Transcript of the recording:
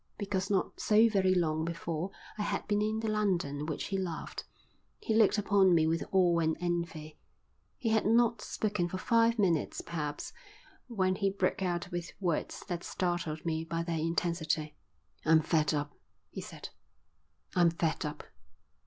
Because not so very long before I had been in the London which he loved, he looked upon me with awe and envy. He had not spoken for five minutes perhaps when he broke out with words that startled me by their intensity. "I'm fed up," he said. "I'm fed up."